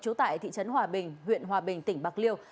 trú tại thị trấn hòa bình huyện hòa bình tỉnh bạc liêu